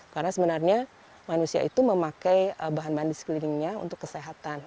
karena sebenarnya manusia itu memakai bahan bahan di sekelilingnya untuk kesehatan